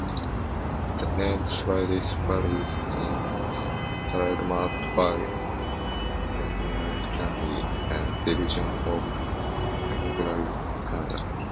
The name Swedish Berries is trademarked by Vanderlei Candy, a division of Cadbury Canada.